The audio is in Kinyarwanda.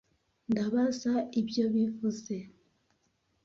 Ndabaza ibyo bivuze.